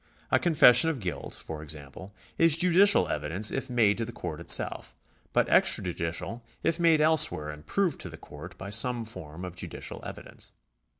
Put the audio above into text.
A confession of guilt, for example, is judicial evi dence if made to the court itself, but extrajudicial if made elsewhere and proved to the court by some form of judicial evidence.